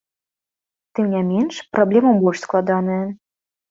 Тым не менш, праблема больш складаная.